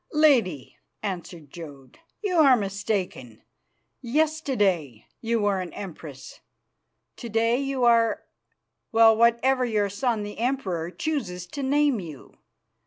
"Lady," answered Jodd, "you are mistaken. Yesterday you were an empress, to day you are well, whatever your son, the Emperor, chooses to name you.